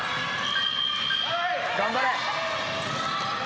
頑張れ。